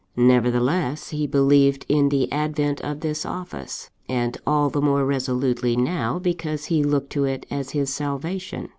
"Nevertheless he believed in the advent of this office; and all the more resolutely now, because he looked to it as his salvation.